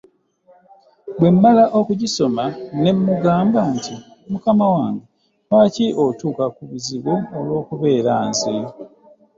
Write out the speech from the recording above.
Bwe mmala okugisoma ne mmugamba nti “Mukama wange, lwaki otuuka ku bizibu olw’okubeera nze?